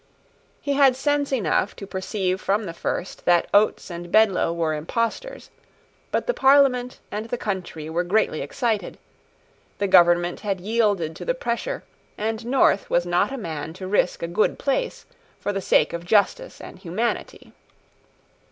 He had sense enough to perceive from the first that Oates and Bedloe were impostors: but the Parliament and the country were greatly excited: the government had yielded to the pressure; and North was not a man to risk a good place for the sake of justice and humanity.